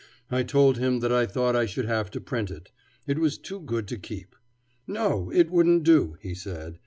I told him that I thought I should have to print it; it was too good to keep. No, it wouldn't do, he said.